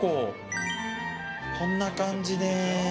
こんな感じです。